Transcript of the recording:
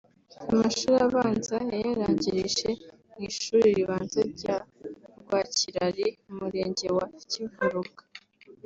Amashuri abanza yayarangirije mu Ishuri Ribanza rya Rwakirari mu murenge wa Kivuruga